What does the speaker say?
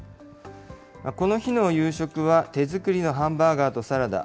この日の夕食は、手作りのハンバーガーとサラダ。